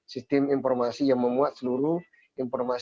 sistem informasi yang memuat seluruh informasi